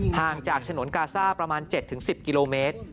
ห่างจากฉนวนกาซ่าประมาณ๗๑๐กิโลเมตร